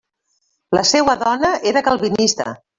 La seua dona era calvinista.